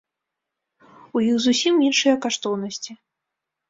У іх зусім іншыя каштоўнасці.